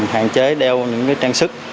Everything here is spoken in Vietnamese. hạn chế đeo những trang sức